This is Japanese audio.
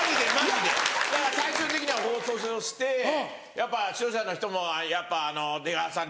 だから最終的には放送してやっぱ視聴者の人もやっぱ出川さん